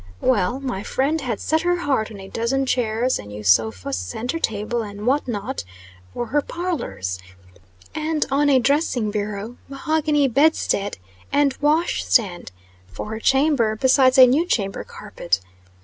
Well, my friend had set her heart on a dozen chairs, a new sofa, centre table, and "what not," for her parlors; and on a dressing bureau, mahogany bedstead, and wash stand, for her chamber, besides a new chamber carpet.